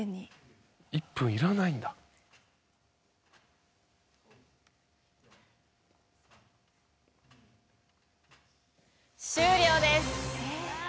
１分いらないんだ終了です。